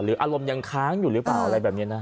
อารมณ์ยังค้างอยู่หรือเปล่าอะไรแบบนี้นะ